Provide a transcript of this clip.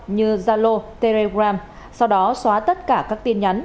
như zalo telegram sau đó xóa tất cả các tin nhắn